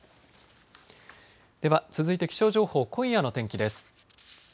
では続いて気象情報、今夜の天気です。